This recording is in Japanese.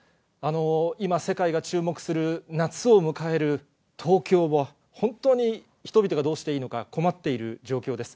今、世界が注目する夏を迎える東京は、本当に人々がどうしていいのか困っている状況です。